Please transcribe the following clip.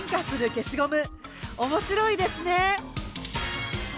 面白いですね。